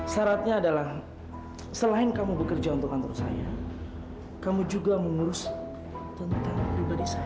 syaratnya adalah selain kamu bekerja untuk kantor saya kamu juga mengurus tentang pribadi saya